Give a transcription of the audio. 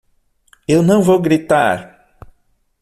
Eu não vou gritar!